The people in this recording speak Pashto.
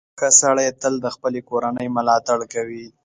• ښه سړی تل د خپلې کورنۍ ملاتړ کوي.